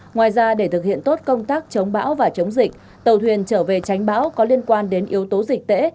ngoài ra để thực hiện tốt công tác chống bão và chống dịch tàu thuyền trở về tránh bão có liên quan đến yếu tố dịch tễ